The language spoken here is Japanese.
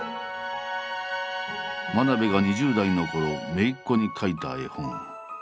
真鍋が２０代のころめいっ子に描いた絵本。